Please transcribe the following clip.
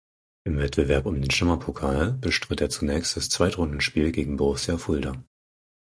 Im Wettbewerb um den Tschammerpokal bestritt er zunächst das Zweitrundenspiel gegen Borussia Fulda.